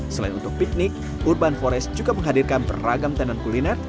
selain untuk piknik urban forest juga menghadirkan beragam tenan kuliner